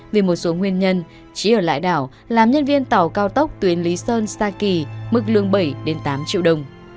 vì một số nguyên nhân trí ở lại đảo làm nhân viên tàu cao tốc tuyến lý sơn sa kỳ mức lương bảy tám triệu đồng